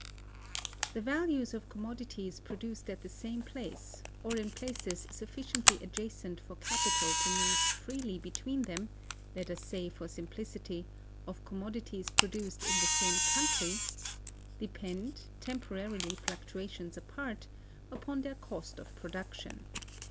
The values of commodities produced at the same place, or in places sufficiently adjacent for capital to move freely between them—let us say, for simplicity, of commodities produced in the same country—depend (temporary fluctuations apart) upon their cost of production.